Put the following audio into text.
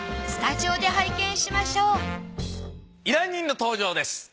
スタジオで拝見しましょう依頼人の登場です。